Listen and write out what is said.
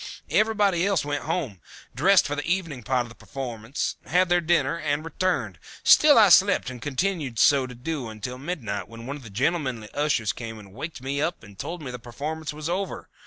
Everybody else went home, dressed for the evening part of the performance, had their dinner, and returned. Still I slept and continued so to do until midnight when one of the gentlemanly ushers came and waked me up and told me that the performance was over.